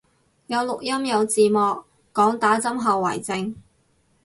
有錄音有字幕，講打針後遺症